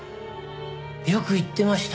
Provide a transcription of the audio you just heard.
よく言ってました。